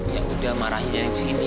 yang udah marahin dari sini